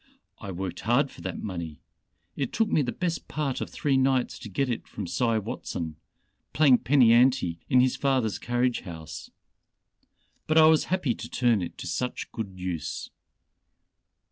I worked hard for that money. It took me the best part of three nights to get it from Cy Watson playing penny ante in his father's carriage house. But I was happy to turn it to such good use."